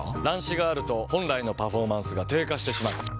乱視があると本来のパフォーマンスが低下してしまう。